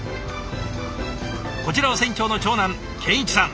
こちらは船長の長男健一さん。